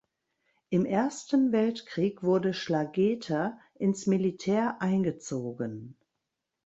Im Ersten Weltkrieg wurde Schlageter ins Militär eingezogen.